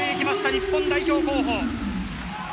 日本代表候補。